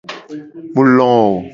Mu lowo.